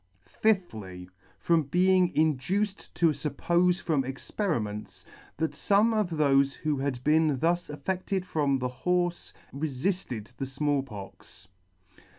Fifthly. From being induced to fuppofe from experiments, that fome of thofe who had been thus affedted from the horfe refilled the Small Pox.